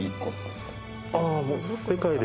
ああもう世界で？